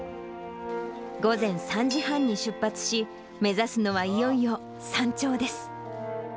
午前３時半に出発し、目指すのはいよいよ山頂です。